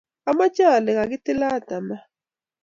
amoche ale kakitilat tamaa.